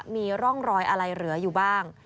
มีร่องรอยอะไรเหลืออยู่บ้าง